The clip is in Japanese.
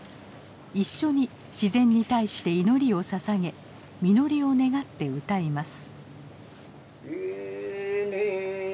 一緒に「自然」に対して祈りをささげ実りを願って歌います。